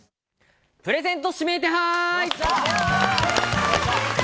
プレゼント指名手配！